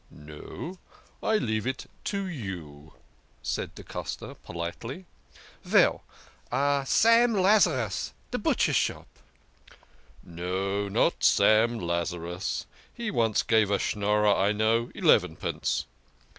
" No, I leave it to you," said da Costa politely. " Veil, Sam Lazarus, de butcher shop !"" No, not Sam Lazarus, he once gave a Schnorrer I know elevenpence."